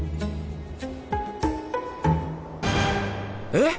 えっ！？